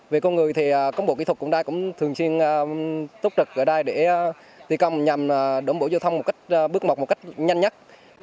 về con người thì công bộ kỹ thuật cũng thường xuyên tốt trực ở đây để tìm công nhằm đổng bộ giao thông bước mọc một cách nhanh nhất